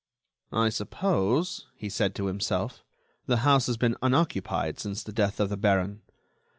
"I suppose," he said to himself, "the house has been unoccupied since the death of the baron....